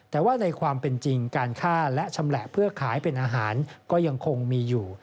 แต่ว่าในความเป็นจริงการฆ่าและชำแหละเพื่อขายเป็นอาหารก็ยังคงมีอยู่